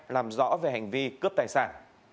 làm rõ về hành vi cướp tài sản